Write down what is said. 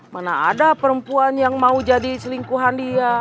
mana ada perempuan yang mau jadi selingkuhan dia